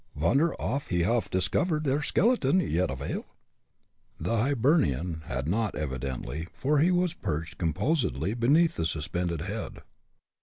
Vonder off he haff discovered der skelegon, yet avile." The Hibernian had not, evidently, for he was perched composedly beneath the suspended head.